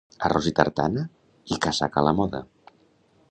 Arròs i tartana i casaca a la moda.